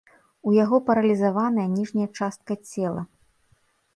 У яго паралізаваная ніжняя частка цела.